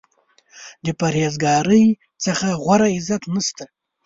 د پرهیز ګارۍ څخه غوره عزت نشته.